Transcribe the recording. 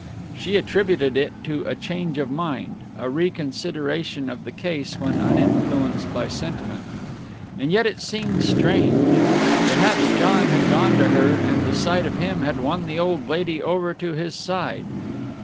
She attributed it to a change of mind, a reconsideration of the case when uninfluenced by sentiment. And yet it seemed strange. Perhaps John had gone to her and the sight of him had won the old lady over to his side.